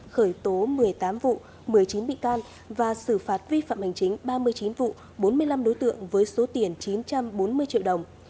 khởi tố một mươi tám vụ một mươi chín bị can và xử phạt vi phạm hành chính ba mươi chín vụ bốn mươi năm đối tượng với số tiền chín trăm bốn mươi triệu đồng